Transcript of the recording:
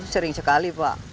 sering sekali pak